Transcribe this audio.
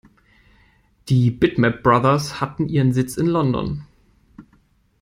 Die Bitmap Brothers hatten ihren Sitz in London.